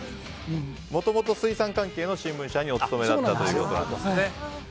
もともと水産関係の新聞社にお勤めだったということです。